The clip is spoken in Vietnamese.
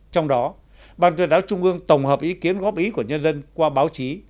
trong đó ban tuyên đáo trung ương tổng hợp ý kiến góp ý của nhân dân qua báo chí